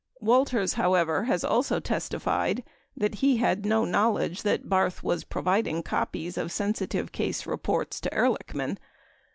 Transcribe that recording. Walters, how ever, has also testified that he had no knowledge that Barth was pro viding copies of sensitive case reports to Ehrlichman.